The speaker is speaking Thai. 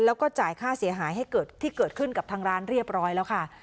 แล้วก็จ่ายค่าเสียหายให้เกิดขึ้นกับทางร้านเรียบร้อยแล้วค่ะ